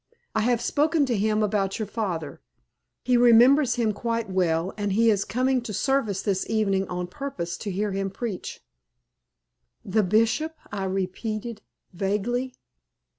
I have spoken to him about your father. He remembers him quite well, and he is coming to service this evening on purpose to hear him preach." "The Bishop," I repeated, vaguely.